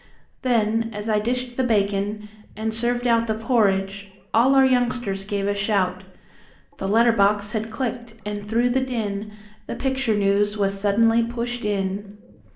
Then, as I dished the bacon, and served out The porridge, all our youngsters gave a shout. The letter box had clicked, and through the din The Picture News was suddenly pushed in.